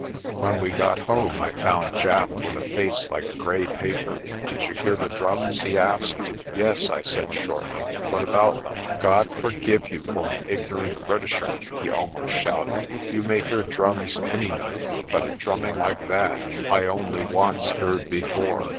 When we got home I found Japp with a face like grey paper. "Did you hear the drums?" he asked. 84 PRESTER JOHN "Yes," I said shortly. "What about them?" "God forgive you for an ignorant Britisher!" he al most shouted. "You may hear drums any night, but a drum ming like that I only once heard before.